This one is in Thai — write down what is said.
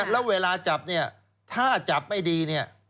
แล้วเวลาจับเนี่ยถ้าจับไม่ดีเนี่ย